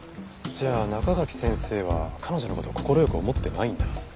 じゃあ中垣先生は彼女の事を快く思ってないんだ。